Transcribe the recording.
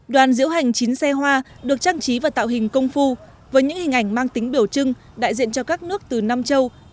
đoàn diễu hành chín xe hoa được trang trí và tạo hình công phu với những hình ảnh mang tính biểu trưng đại diện cho các nước từ nam châu